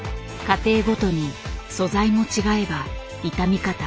家庭ごとに素材も違えば傷み方